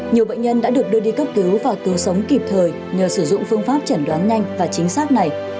nhiều bệnh nhân đã được đưa đi cấp cứu và cứu sống kịp thời nhờ sử dụng phương pháp chẩn đoán nhanh và chính xác này